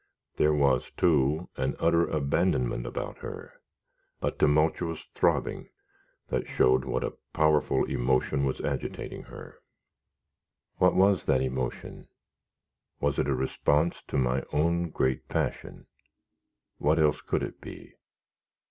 There was, too, an utter abandonment about her, a tumultuous throbbing, that showed what a powerful emotion was agitating her. What was that emotion? Was it a response to my own great passion? What else could it be?